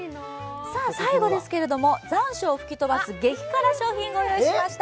最後ですが、残暑を吹き飛ばす激辛商品をご用意しました。